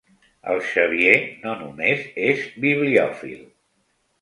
El Xavier no només és bibliòfil.